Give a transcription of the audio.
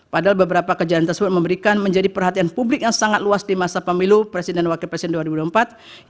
padahal beberapa kejadian tersebut memberikan menjadi perhatian publik yang sangat luas di masa pemilu presiden dan wakil presiden dua ribu dua puluh empat